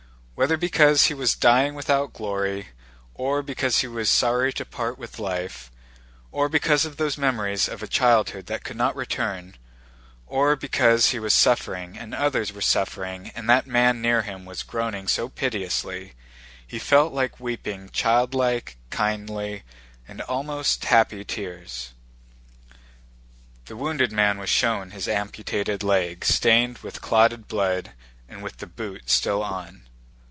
Whether because he was dying without glory, or because he was sorry to part with life, or because of those memories of a childhood that could not return, or because he was suffering and others were suffering and that man near him was groaning so piteously—he felt like weeping childlike, kindly, and almost happy tears. The wounded man was shown his amputated leg stained with clotted blood and with the boot still on.